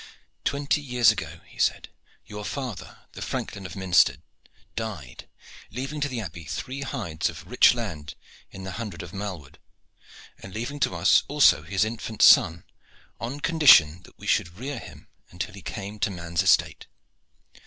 "Twenty years ago," he said, "your father, the Franklin of Minstead, died, leaving to the Abbey three hides of rich land in the hundred of Malwood, and leaving to us also his infant son on condition that we should rear him until he came to man's estate.